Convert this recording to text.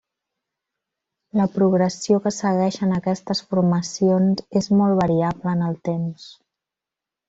La progressió que segueixen aquestes formacions és molt variable en el temps.